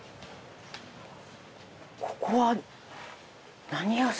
ここは何屋さんですか？